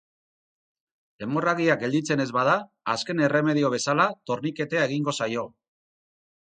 Hemorragia gelditzen ez bada, azken erremedio bezala, torniketea egingo zaio.